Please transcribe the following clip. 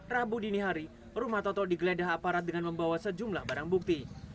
rabu dini hari rumah toto digeledah aparat dengan membawa sejumlah barang bukti